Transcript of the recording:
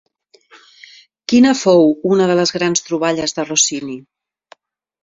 Quina fou una de les grans troballes de Rossini?